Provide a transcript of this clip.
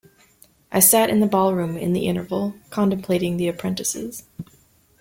I sat in the ball-room in the interval, contemplating the apprentices.